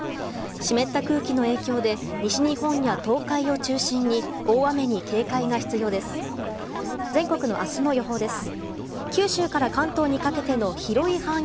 湿った空気の影響で西日本や東海を中心に大雨に警戒が必要です。